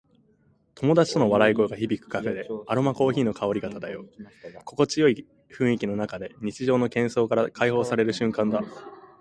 友達との笑い声が響くカフェで、アロマコーヒーの香りが漂う。心地よい雰囲気の中で、日常の喧騒から解放される瞬間だ。